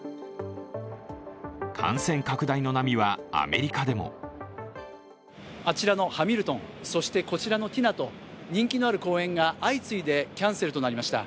感染拡大の波はアメリカでもあちらの「ハミルトン」、そしてこちらの「ティナ」と人気のある公演が相次いでキャンセルとなりました。